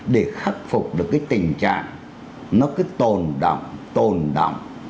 để khắc phục được cái tình trạng nó cứ tồn động tồn động